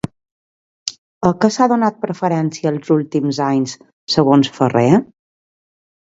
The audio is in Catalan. A què s'ha donat preferència els últims anys segons Ferrer?